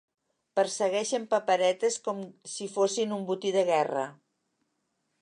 Persegueixen paperetes com si fossin un botí de guerra.